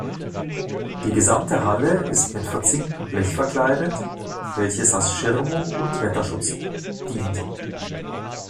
Die gesamte Halle ist mit verzinkten Blech verkleidet, welches als Schirmung und Wetterschutz dient.